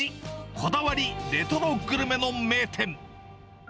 こだわりレトログルメの名店。